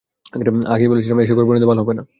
আগেই বলেছিলাম, এসবের পরিণতি ভালো হবে না।